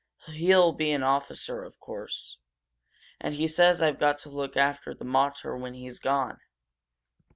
He'll be an officer, of course. And he says I've got to look after the mater when he's gone."